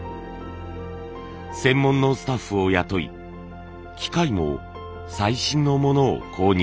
専門のスタッフを雇い機械も最新のものを購入。